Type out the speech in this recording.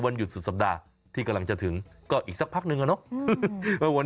หยุดสุดสัปดาห์ที่กำลังจะถึงก็อีกสักพักนึงอะเนาะ